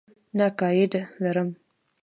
نه ګائیډ لرم.